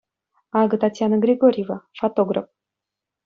Акӑ Татьяна Григорьева -- фотограф.